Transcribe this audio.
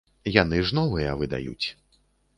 Яны ж новыя выдаюць.